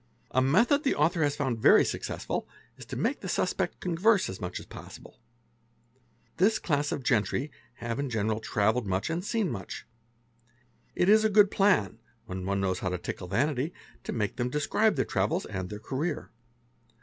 A method the author has found very successful is to make the suspect converse as much a as possible. ' This class of gentry have in general travelled much and seen much It is a good plan, when one knows how to tickle vanity, to make ther describe their travels and their career.